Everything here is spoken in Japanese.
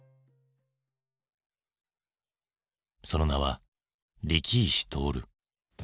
その名は力石徹。